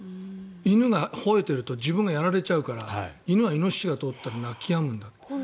犬が吠えてると自分がやられちゃうからイノシシが通ると鳴きやむんだって。